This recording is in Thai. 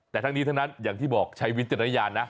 แต่ทั้งนี้ทั้งนั้นอย่างที่บอกใช้วิจารณญาณนะ